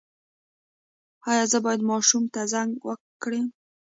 ایا زه باید ماشوم ته زنک ورکړم؟